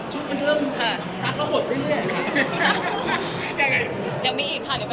หรอค่ะอีกครั้งแล้ว